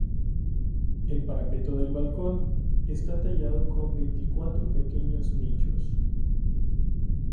El parapeto de balcón está tallado con veinticuatro pequeños nichos.